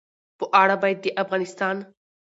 په اړه باید د افغانستان